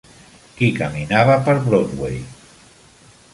Qui caminava per Broadway.